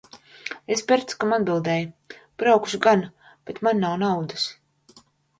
Es Bercukam atbildēju: Braukšu gan, bet man nav naudas.